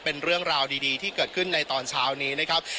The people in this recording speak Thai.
เป็นเรื่องราวดีที่เกิดขึ้นในตอนเช้านี้นะครับ